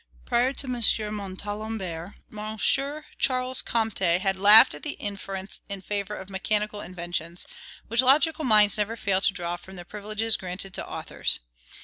Prior to M. Montalembert, M. Charles Comte had laughed at the inference in favor of mechanical inventions, which logical minds never fail to draw from the privileges granted to authors.